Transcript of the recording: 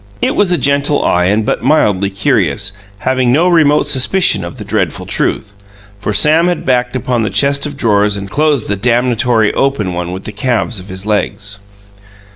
It was a gentle eye and but mildly curious, having no remote suspicion of the dreadful truth, for Sam had backed upon the chest of drawers and closed the damnatory open one with the calves of his legs.